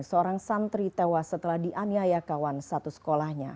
seorang santri tewas setelah dianiaya kawan satu sekolahnya